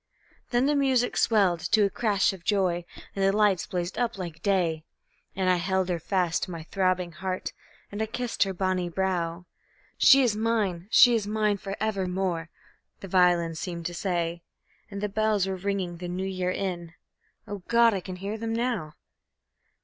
Then the music swelled to a crash of joy, and the lights blazed up like day, And I held her fast to my throbbing heart, and I kissed her bonny brow. "She is mine, she is mine for evermore!" the violins seemed to say, And the bells were ringing the New Year in O God! I can hear them now.